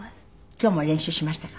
今日も練習しましたか？